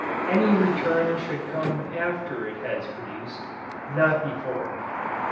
Any return should come after it has produced, not before.